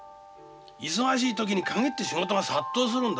忙しい時に限って仕事が殺到するんだ。